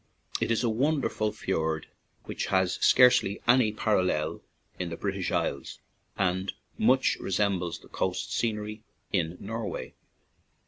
It is a wonder ful fiord, which has scare e\y any parallel in the British Isles and much resembles the coast scenery in Norway.